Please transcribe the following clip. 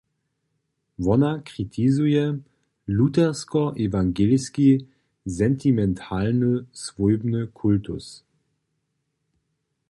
Wona kritizuje luthersko-ewangelski sentimentalny swójbny kultus.